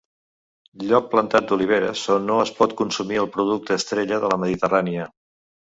Lloc plantat d'oliveres on no es pot consumir el producte estrella de la Mediterrània.